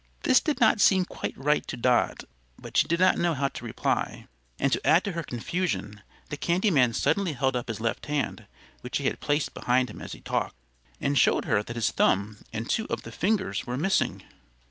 This did not seem quite right to Dot, but she did not know how to reply; and to add to her confusion, the candy man suddenly held up his left hand, which he had placed behind him as he talked, and showed her that his thumb and two of the fingers were missing.